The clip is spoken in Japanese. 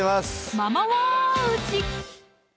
ママはうち！